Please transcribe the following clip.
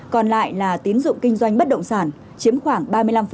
còn lại là tín dụng kinh doanh bất động sản chiếm khoảng ba mươi năm